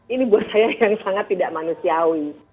ini buat saya yang sangat tidak manusiawi